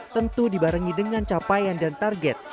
tentu dibarengi dengan capaian dan target